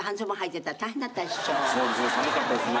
そうですね寒かったですね。